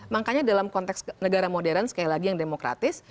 makanya dalam konteks negara modern sekali lagi yang demokratis